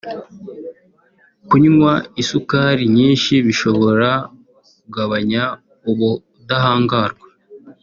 Kunywa isukari nyinshi bishobora kugabanya ubudahangarwa